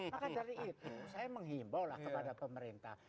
maka dari itu saya menghimbau lah kepada pemerintah